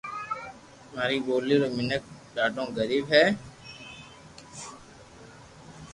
ماري ٻولي رو مينک ڌاڌو غريب ھي